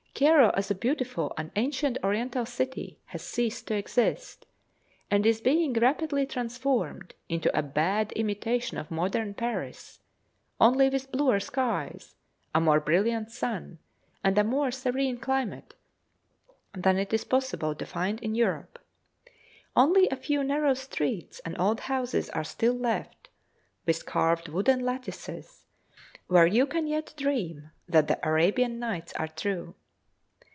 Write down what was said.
Cairo as a beautiful and ancient oriental city has ceased to exist, and is being rapidly transformed into a bad imitation of modern Paris, only with bluer skies, a more brilliant sun, and a more serene climate than it is possible to find in Europe. Only a few narrow streets and old houses are still left, with carved wooden lattices, where you can yet dream that the 'Arabian Nights' are true.